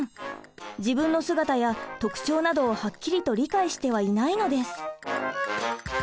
自分の姿や特徴などをはっきりと理解してはいないのです。